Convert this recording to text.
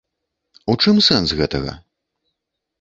У чым сэнс гэтага?